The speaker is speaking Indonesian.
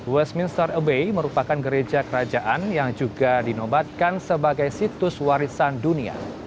westminster abbay merupakan gereja kerajaan yang juga dinobatkan sebagai situs warisan dunia